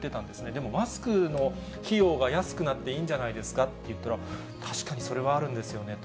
でもマスクの費用が安くなっていいんじゃないですかって言ったら、確かにそれはあるんですよねと。